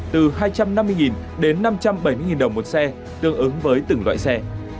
từ hai trăm năm mươi đến năm trăm bảy mươi đồng một xe tương ứng với từng loại xe